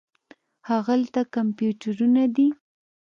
هاغلته کمپیوټرونه دي.